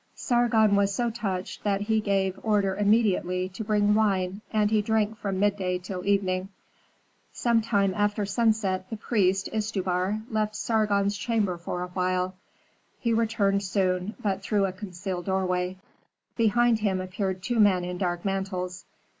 Sargon was so touched that he gave order immediately to bring wine, and he drank from midday till evening. Some time after sunset the priest, Istubar, left Sargon's chamber for a while; he returned soon, but through a concealed doorway. Behind him appeared two men in dark mantles.